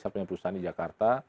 saya punya perusahaan di jakarta